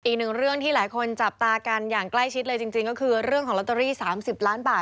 อีกหนึ่งเรื่องที่หลายคนจับตากันอย่างใกล้ชิดเลยจริงก็คือเรื่องของลอตเตอรี่๓๐ล้านบาท